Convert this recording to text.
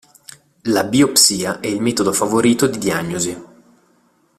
La biopsia è il metodo favorito di diagnosi.